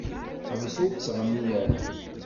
Ḥbes ur ttɣenni ara.